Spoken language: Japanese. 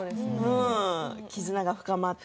絆が深まって。